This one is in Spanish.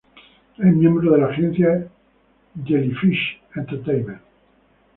Es miembro de la agencia "Jellyfish Entertainment".